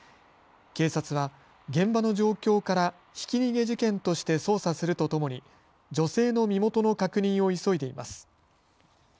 警察は現場の状況からひき逃げ事件として捜査するとともに女性の身元の確認を急いでいます。